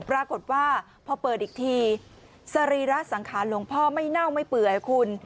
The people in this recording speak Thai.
ปรากฏว่าพอเปิดอีกทีสรีระสังขารหลวงพ่อไม่เน่าไม่เปื่อยคุณ